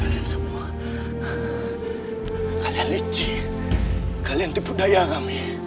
aku tak percaya